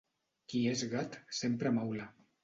Qui és gat sempre maula.